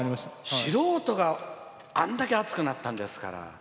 素人があれだけ熱くなったんですから。